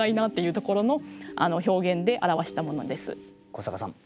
古坂さん。